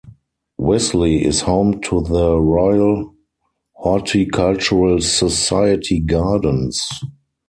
Wisley is home to the Royal Horticultural Society gardens.